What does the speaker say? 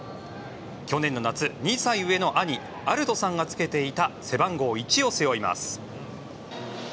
去年の夏２歳上の兄歩人さんがつけていた背番号１を背負います。